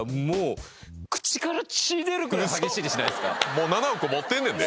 もう７億持ってんねんで？